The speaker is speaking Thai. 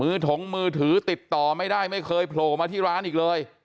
ถงมือถือติดต่อไม่ได้ไม่เคยโผล่มาที่ร้านอีกเลย